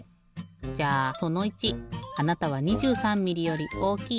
じゃあその１あなたは２３ミリより大きい？